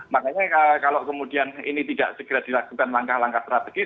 makanya kalau kemudian ini tidak segera dilakukan langkah langkah strategis